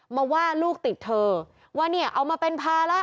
มาว่าลูกติดเธอว่าเนี่ยเอามาเป็นภาระ